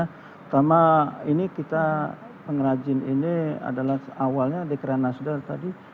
pertama ini kita pengrajin ini adalah awalnya dekrena sudah tadi